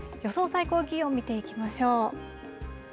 最高気温見ていきましょう。